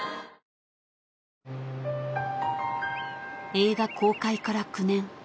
［映画公開から９年］